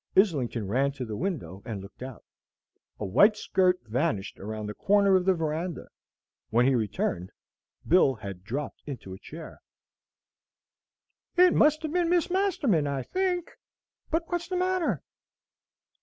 Islington ran to the window, and looked out. A white skirt vanished around the corner of the veranda. When he returned, Bill had dropped into a chair. "It must have been Miss Masterman, I think; but what's the matter?"